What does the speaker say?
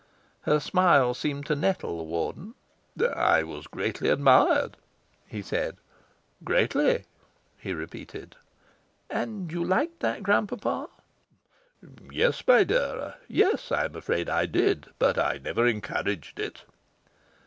Her smile seemed to nettle the Warden. "I was greatly admired," he said. "Greatly," he repeated. "And you liked that, grand papa?" "Yes, my dear. Yes, I am afraid I did. But I never encouraged it."